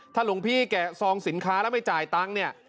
หลวงพี่แกะซองสินค้าแล้วไม่จ่ายตังค์เนี่ย